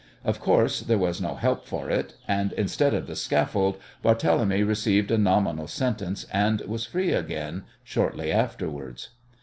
Of course, there was no help for it, and instead of the scaffold Barthélemy received a nominal sentence, and was free again shortly afterwards.